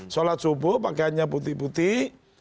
sholat subuh pakaiannya putih putih